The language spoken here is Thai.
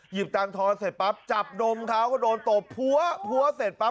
หยิบตังธรณ์เสร็จปั๊บจับดมเขาก็โดนตบพัวเสร็จปั๊บ